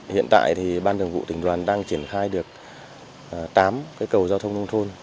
hiện tại thì ban thường vụ tỉnh đoàn đang triển khai được tám cây cầu giao thông nông thôn